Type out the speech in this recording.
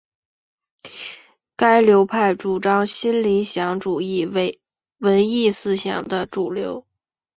该流派主张新理想主义为文艺思想的主流。